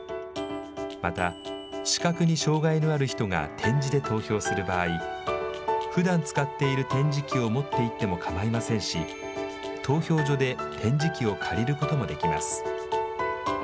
また、視覚に障害のある人が点字で投票する場合、ふだん使っている点字器を持っていっても構いませんし、投票所で点字器を借りることもできます。